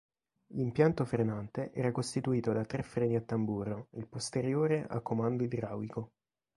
L'impianto frenante era costituito da tre freni a tamburo, il posteriore a comando idraulico.